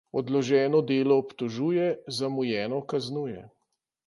Odloženo delo obtožuje, zamujeno kaznuje.